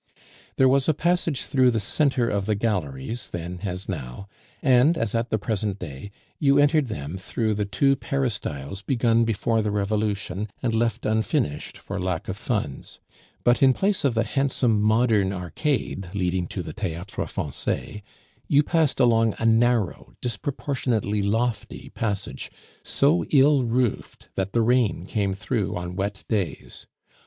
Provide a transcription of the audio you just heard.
There was a passage through the centre of the Galleries then as now; and, as at the present day, you entered them through the two peristyles begun before the Revolution, and left unfinished for lack of funds; but in place of the handsome modern arcade leading to the Theatre Francais, you passed along a narrow, disproportionately lofty passage, so ill roofed that the rain came through on wet days.